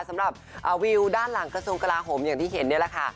สำหรับวิวด้านหลังกระทรวงกลาโหมอย่างที่เห็นนี่แหละค่ะ